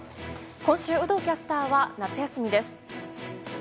今週、有働キャスターは夏休みです。